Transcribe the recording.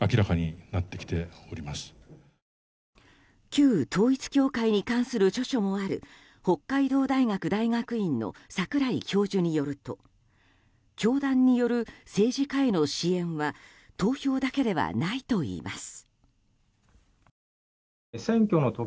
旧統一教会に関する著書もある北海道大学大学院の櫻井教授によると教団による政治家への支援は投票だけではないといいます。